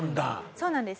そうなんです。